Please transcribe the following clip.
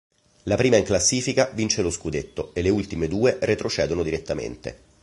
La prima in classifica vince lo scudetto e le ultime due retrocedono direttamente.